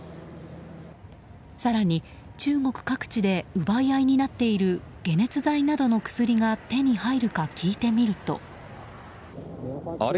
更に、中国各地で奪い合いになっている解熱剤などの薬が手に入るか聞いてみると。